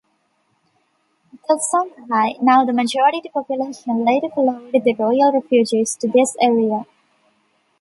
The Songhai, now the majority population, later followed the royal refugees to this area.